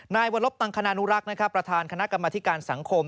นายวรบตังคณานุรักษ์ประธานคณะกรรมธิการสังคม